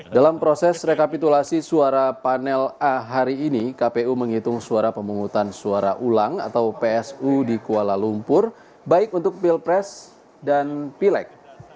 dalam proses rekapitulasi suara panel a hari ini kpu menghitung suara pemungutan suara ulang atau psu di kuala lumpur baik untuk pilpres dan pileg